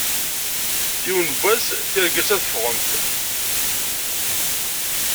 Yiwen n wass tirga-s ad ffɣent.